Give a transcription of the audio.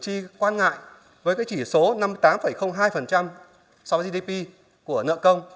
khi quan ngại với cái chỉ số năm mươi tám hai so với gdp của nợ công